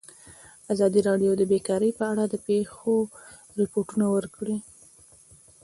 ازادي راډیو د بیکاري په اړه د پېښو رپوټونه ورکړي.